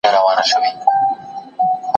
زه د تاج لېونی نه یم زه وزر درڅخه غواړم